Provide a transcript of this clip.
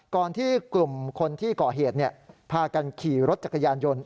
ก่อนที่กลุ่มคนที่ก่อเหตุพากันขี่รถจักรยานยนต์